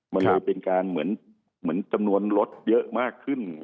มันเลยเป็นการเหมือนจำนวนรถเยอะมากขึ้น